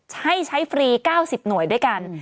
ใช้ใช้ฟรี๙๐หน่วยด้วยกัน